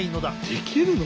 できるの？